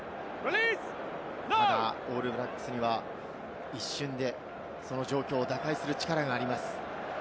ただオールブラックスには、一瞬でその状況を打開する力があります。